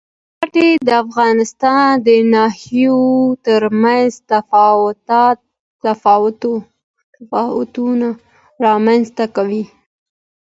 ښتې د افغانستان د ناحیو ترمنځ تفاوتونه رامنځ ته کوي.